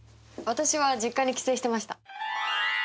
私は実家に帰省してました。